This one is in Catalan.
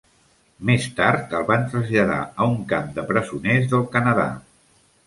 Més tard el van traslladar a un camp de presoners del Canadà.